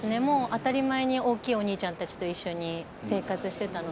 当たり前に大きいお兄ちゃんたちと一緒に生活をしていました。